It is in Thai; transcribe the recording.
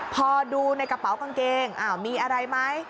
พอดูในกระเป๋ากางเกงมีอะไรไหม